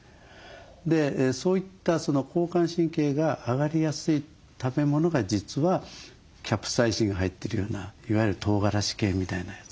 そういった交感神経が上がりやすい食べ物が実はキャプサイシンが入ってるようないわゆるトウガラシ系みたいなやつなんですね。